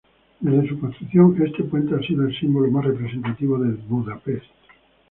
Desde su construcción, este puente ha sido el símbolo más representativo de Budapest.